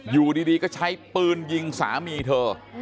อยู่ดีก็ใช้ปืนยิงสามีเธอ